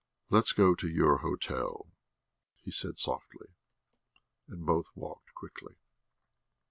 "Let us go to your hotel," he said softly. And both walked quickly.